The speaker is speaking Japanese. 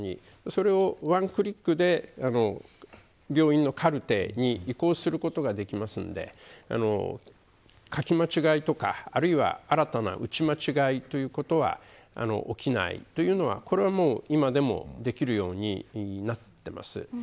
それをワンクリックで病院のカルテに移行することができますので書き間違いとかあるいは新たな打ち間違いということは起きない、というのはこれは今でもできるようになっています。